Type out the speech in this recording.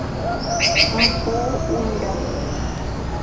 Mkuu unda.